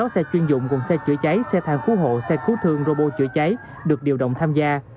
bốn mươi sáu xe chuyên dụng cùng xe chữa cháy xe thang khu hộ xe khu thương robo chữa cháy được điều động tham gia